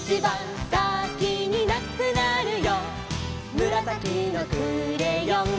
「むらさきのクレヨン」